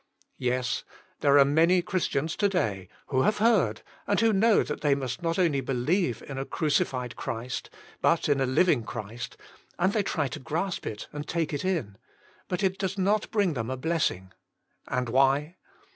Yes! there are many Christians to day who have heard and who know that they must not only believe in a crucified Christ, but in a 12 Je9Vb8 Himself. living Christ, and they try to grasp it and take it in, but it does not bring them a blessing, and why?